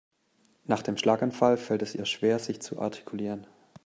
Nach dem Schlaganfall fällt es ihr schwer sich zu artikulieren.